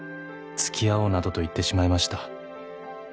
「付き合おうなどと言ってしまいました」